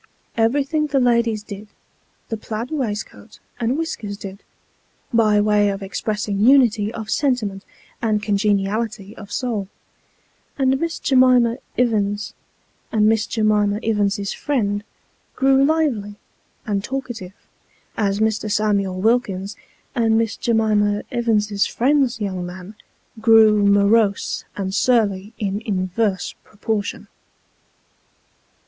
Everything the ladies did, the plaid waistcoat and whiskers did, by way of expressing unity of sentiment and congeniality of soul ; and Miss J'mima Ivins, and Miss J'mima Ivins's friend, grew lively and talkative, as Mr. Samuel Wilkins, and Miss J'mima Ivins's friend's young man, grew morose and surly in inverse proportion.